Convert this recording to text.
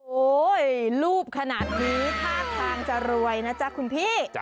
รูปขนาดนี้ท่าทางจะรวยนะจ๊ะคุณพี่